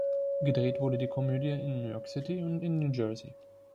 Gedreht wurde die Komödie in New York City und in New Jersey.